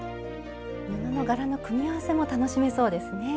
布の柄の組み合わせも楽しめそうですね。